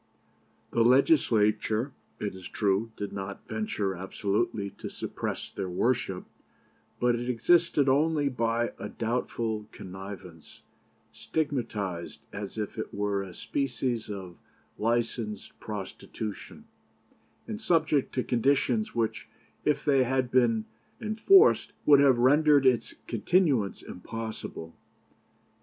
The Legislature, it is true, did not venture absolutely to suppress their worship, but it existed only by a doubtful connivance stigmatized as if it were a species of licensed prostitution, and subject to conditions which, if they had been enforced, would have rendered its continuance impossible.